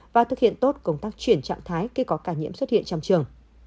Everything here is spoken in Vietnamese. và thực hiện tốt công tác chuyển trạng thái khi có ca nhiễm xuất hiện trong trường